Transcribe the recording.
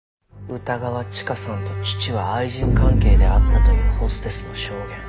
歌川チカさんと父は愛人関係であったというホステスの証言。